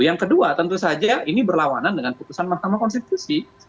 yang kedua tentu saja ini berlawanan dengan putusan mahkamah konstitusi